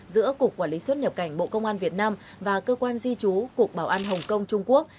giữa cục quản lý xuất nhập cảnh bộ công an việt nam và cơ quan di trú cục bảo an hồng kông trung quốc